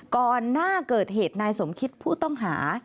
ก่อนหน้าเกิดเหตุนายสมคิตผู้ต้องหา